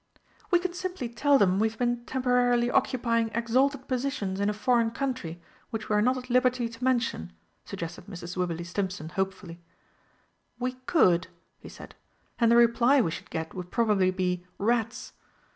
"We can simply tell them we have been temporarily occupying exalted positions in a foreign country which we are not at liberty to mention," suggested Mrs. Wibberley Stimpson hopefully. "We could," he said; "and the reply we should get would probably be 'Rats.'